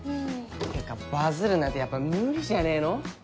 ていうかバズるなんてやっぱ無理じゃねえの？